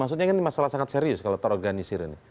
maksudnya ini masalah sangat serius kalau terorganisir ini